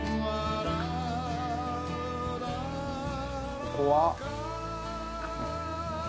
ここは？